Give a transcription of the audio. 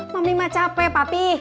mami mah capek papi